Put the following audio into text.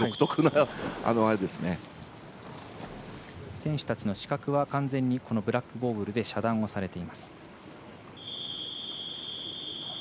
選手たちの視覚は完全にブラックゴーグルで遮断をされています。